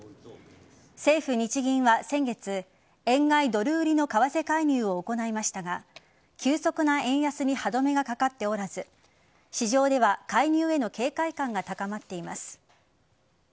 政府・日銀は先月円買いドル売りの為替介入を行いましたが急速な円安に歯止めはかかっておらず市場では介入への警戒感が高まっています。